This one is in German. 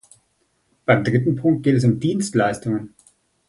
Beim dritten Punkt geht es um Dienstleistungen.